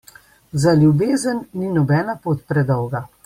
Za ljubezen ni nobena pot predolga.